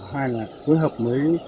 hai là phối hợp với